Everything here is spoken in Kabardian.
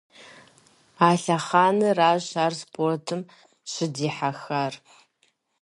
А лъэхъэнэращ ар спортым щыдихьэхар.